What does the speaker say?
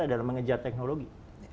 adalah mengejar teknologi